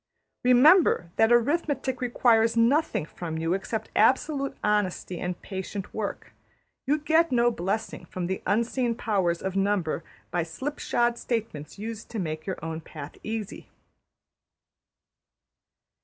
'' Remember that arithmetic requires nothing from you except absolute honesty and patient work. You get no blessing from the Unseen Powers of Number by slipshod statements used to make your own path easy.